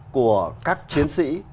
của các chiến sĩ